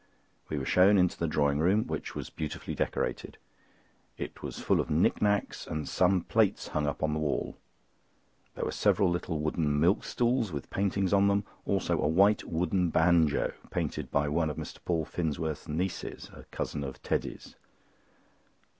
We were shown into the drawing room, which was beautifully decorated. It was full of knick knacks, and some plates hung up on the wall. There were several little wooden milk stools with paintings on them; also a white wooden banjo, painted by one of Mr. Paul Finsworth's nieces—a cousin of Teddy's.